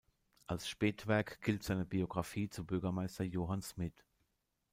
Als Spätwerk gilt seine Biografie zu Bürgermeister Johann Smidt.